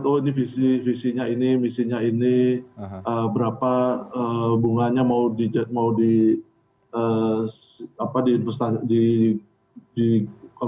oh ini visinya ini misinya ini berapa bunganya mau diputar uangnya kemana gitu ya